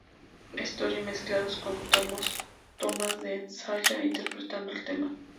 Story mezclados con tomas de Enya interpretando el tema.